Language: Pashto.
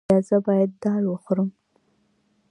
ایا زه باید دال وخورم؟